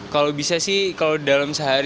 kalau bisa sih kalau dalam sehari